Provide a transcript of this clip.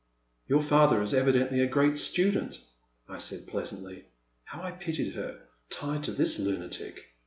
" Your father is evidently a great student, I said, pleasantly. How I pitied her, tied to this lunatic